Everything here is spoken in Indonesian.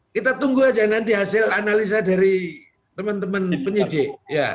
kita tunggu aja nanti hasil analisa dari teman teman penyidik